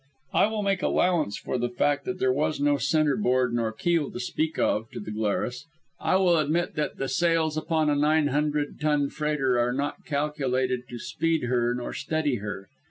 I will make allowance for the fact that there was no centre board nor keel to speak of to the Glarus. I will admit that the sails upon a nine hundred ton freighter are not calculated to speed her, nor steady her.